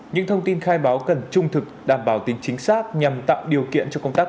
những thông tin khai báo cần trung thực đảm bảo tính chính xác nhằm tạo điều kiện cho công tác